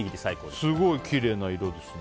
すごいきれいな色ですね。